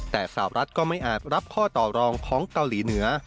แต่สาวรัฐก็ไม่อาจรับข้อต่อรองของเกาหลีเหนือ